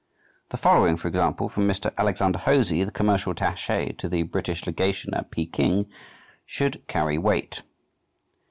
The following, for example, from Mr. Alexander Hosie, the commercial attaché to the British legation at Peking, should carry weight.